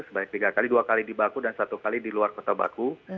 sebanyak tiga kali dua kali di baku dan satu kali di luar kota baku